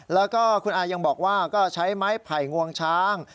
แล้วก็คุณอายังบอกว่าก็ใช้ไม้ไผ่งวงช้าง